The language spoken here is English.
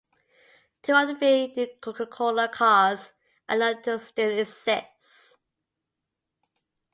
Two of the three Coca Cola cars are known to still exist.